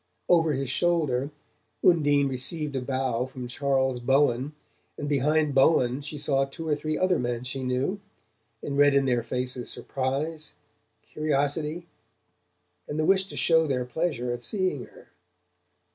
Over his shoulder Undine received a bow from Charles Bowen, and behind Bowen she saw two or three other men she knew, and read in their faces surprise, curiosity, and the wish to show their pleasure at seeing her.